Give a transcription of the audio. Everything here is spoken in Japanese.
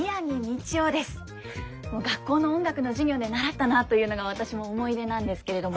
学校の音楽の授業で習ったなというのが私も思い出なんですけれども。